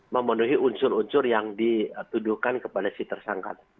memenuhi unsur unsur yang dituduhkan kepada si tersangka